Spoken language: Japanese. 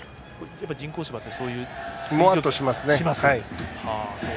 人工芝って、そういう？もわんとしますね。